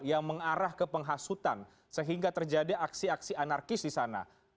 yang mengarah ke penghasutan sehingga terjadi aksi aksi anarkis di sana